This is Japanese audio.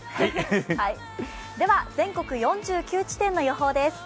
全国４９地点の予報です。